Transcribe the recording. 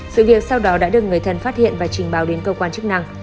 sự việc sau đó đã được người thân phát hiện và trình báo đến cơ quan chức năng